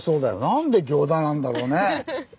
なんで行田なんだろうね。